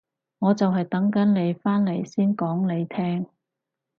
我就係等緊你返嚟先講你聽